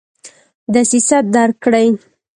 دسیسه درک کړي.